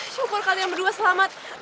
syukur kalian berdua selamat